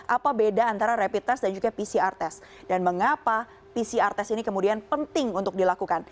apa beda antara rapid test dan juga pcr test dan mengapa pcr test ini kemudian penting untuk dilakukan